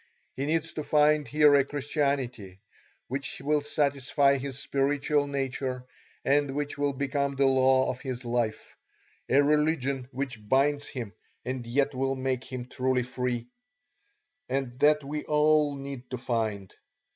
He needs to find here a Christianity which will satisfy his spiritual nature and which will become the law of his life, a religion which binds him and yet will make him truly free; and that we all need to find.